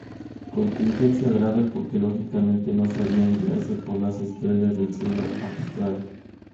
Contingencia grave, porque lógicamente no sabían guiarse por las estrellas del cielo austral.